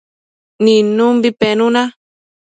nidnumbi penuna